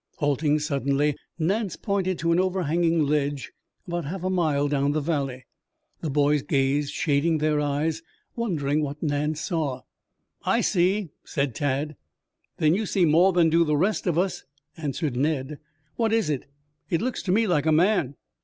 Halting suddenly, Nance pointed to an overhanging ledge about half a mile down the valley. The boys gazed, shading their eyes, wondering what Nance saw. "I see," said Tad. "Then you see more than do the rest of us," answered Ned. "What is it?" "It looks to me like a man."